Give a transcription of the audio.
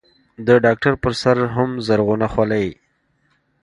د ډاکتر پر سر هم زرغونه خولۍ.